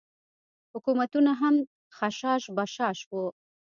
حکومتونه هم خشاش بشاش وو.